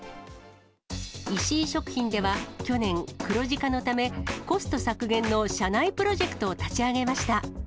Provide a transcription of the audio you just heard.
石井食品では去年、黒字化のためコスト削減の社内プロジェクトを立ち上げました。